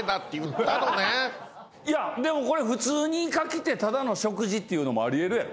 いやでもこれ普通にイカ来てただの食事っていうのもあり得るやろ？